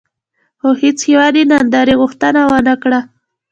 خو هېڅ هېواد یې د نندارې غوښتنه ونه کړه.